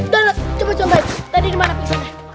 dodot coba coba tadi di mana pingsannya